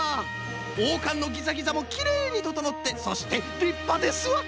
おうかんのギザギザもきれいにととのってそしてりっぱですわ！